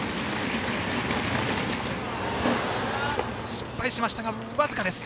失敗しましたが、僅かです。